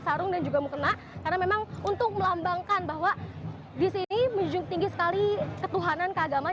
karena memang untuk melambangkan bahwa di sini menjunjuk tinggi sekali ketuhanan keagaman